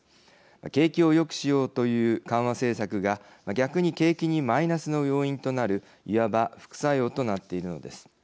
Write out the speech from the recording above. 景気をよくしようという緩和政策が逆に景気にマイナスの要因となるいわば副作用となっているのです。